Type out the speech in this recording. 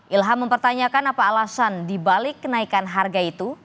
ilham mempertanyakan apa alasan dibalik kenaikan harga itu